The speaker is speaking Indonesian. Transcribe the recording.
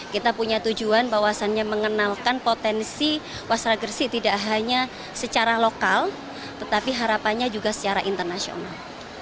kita punya tujuan bahwasannya mengenalkan potensi wasra gresik tidak hanya secara lokal tetapi harapannya juga secara internasional